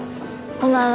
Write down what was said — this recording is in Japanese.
こんばんは。